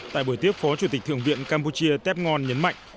tại buổi tiếp phó chủ tịch thượng viện campuchia tép ngon nhấn mạnh